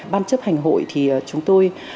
ban chấp hành hội thì chúng tôi